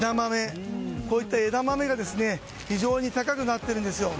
こういった枝豆が非常に高くなっているんですよ。